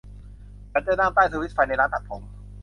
ฉันจะนั่งใต้สวิตช์ไฟในร้านตัดผม